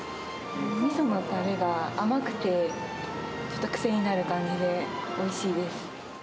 みそのたれが甘くて、ちょっと癖になる感じでおいしいです。